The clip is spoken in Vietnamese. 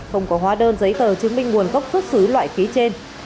không có hóa đơn giấy tờ chứng minh nguồn gốc xuất xứ loại phí trên